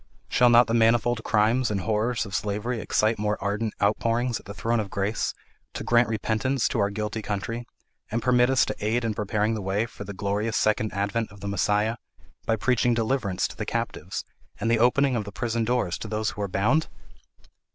Shall not the manifold crimes and horrors of slavery excite more ardent outpourings at the throne of grace to grant repentance to our guilty country, and permit us to aid in preparing the way for the glorious second advent of the Messiah, by preaching deliverance to the captives, and the opening of the prison doors to those who are bound?"